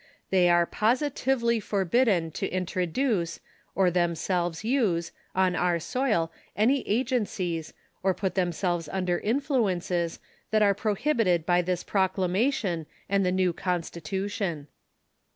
They are po<<itiveIy forbidden to introduce, or themselves use, on our soil any agencies, or put themselves under inllueuees, tliat are prohibited by this proclamation and the new constitu tion